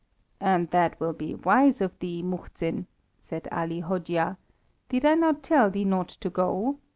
"And that will be wise of thee, Muhzin," said Ali Hojia. "Did I not tell thee not to go?